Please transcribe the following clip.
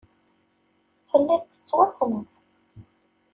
Telliḍ tettwassneḍ.